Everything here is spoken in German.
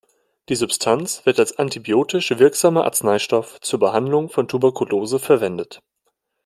Die Substanz wird als antibiotisch wirksamer Arzneistoff zur Behandlung von Tuberkulose verwendet.